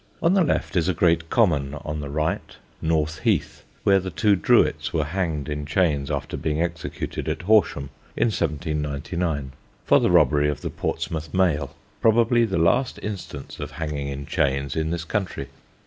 On the left is a great common, on the right North Heath, where the two Drewitts were hanged in chains after being executed at Horsham, in 1799, for the robbery of the Portsmouth mail probably the last instance of hanging in chains in this country.